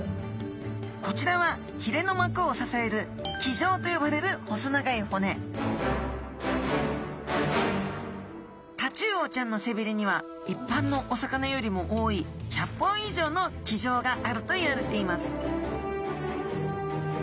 こちらはひれの膜を支える鰭条と呼ばれる細長い骨タチウオちゃんの背びれにはいっぱんのお魚よりも多い１００本以上の鰭条があるといわれています